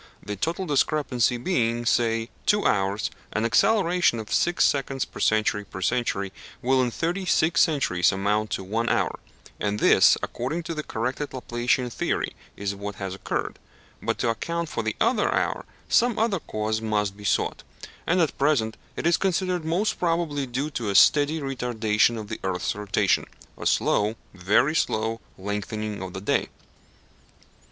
The total discrepancy being, say, two hours, an acceleration of six seconds per century per century will in thirty six centuries amount to one hour; and this, according to the corrected Laplacian theory, is what has occurred. But to account for the other hour some other cause must be sought, and at present it is considered most probably due to a steady retardation of the earth's rotation a slow, very slow, lengthening of the day.